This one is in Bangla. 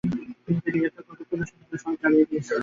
কিন্তু তাঁকে গ্রেপ্তার করার পরও সেনারা শহর জ্বালিয়ে দিয়েছিল।